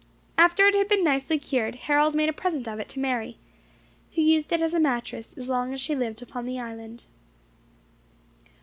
After it had been nicely cured, Harold made a present of it to Mary, who used it as a mattress so long as she lived upon the island.